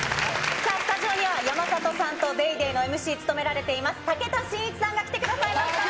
さあ、スタジオには山里さんと、ＤａｙＤａｙ．のＭＣ務められています、武田真一さんが来てくださいました。